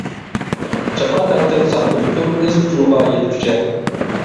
جاپا تارتتىم ساق بىر كۈن، ئىز پۇلىغا يەتكۈچە.